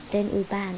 trên ủi bàn